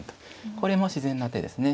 これも自然な手ですね。